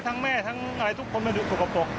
ทั้งแม่ทุกคนไม่ได้อยู่ทุกกระปก